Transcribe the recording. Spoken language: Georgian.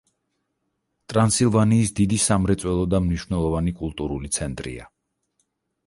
ტრანსილვანიის დიდი სამრეწველო და მნიშვნელოვანი კულტურული ცენტრია.